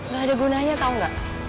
gak ada gunanya tau gak